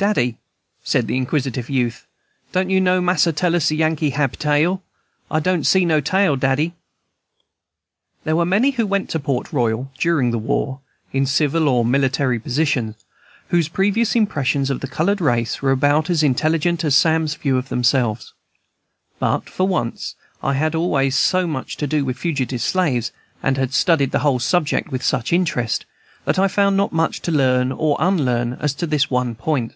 "Daddy," said the inquisitive youth, "don't you know mas'r tell us Yankee hab tail? I don't see no tail, daddy!" There were many who went to Port Royal during the war, in civil or military positions, whose previous impressions of the colored race were about as intelligent as Sam's view of themselves. But, for once, I had always had so much to do with fugitive slaves, and had studied the whole subject with such interest, that I found not much to learn or unlearn as to this one point.